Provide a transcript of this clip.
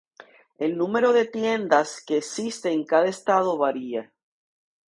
El número de tiendas que existe en cada estado varía.